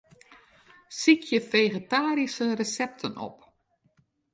Sykje fegetaryske resepten op.